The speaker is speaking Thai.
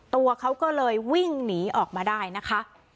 ตัวเขาก็เลยวิ่งหนีออกมาได้นะคะ